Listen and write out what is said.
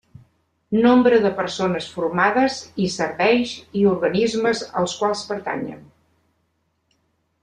Nombre de persones formades i serveis i organismes als quals pertanyen.